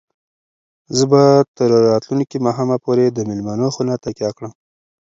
زه به تر راتلونکي ماښامه پورې د مېلمنو خونه تکیه کړم.